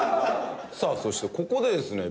さあそしてここでですね